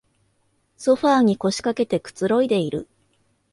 ソファーに腰かけてくつろいでいる